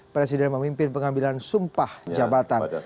presiden memimpin pengambilan sumpah jabatan